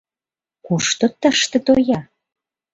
Кушто тыште тоя?